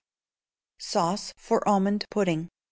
Sauce for Almond Pudding.